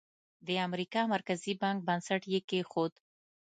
د امریکا مرکزي بانک بنسټ یې کېښود.